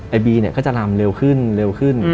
บีเนี่ยก็จะลำเร็วขึ้นเร็วขึ้น